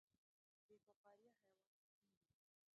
بې فقاریه حیوانات کوم دي؟